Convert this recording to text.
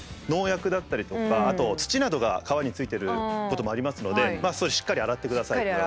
農薬だったりとかあと土などが皮についていることもありますのでしっかり洗ってください。